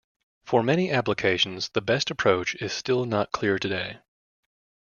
For many applications, the best approach is still not clear today.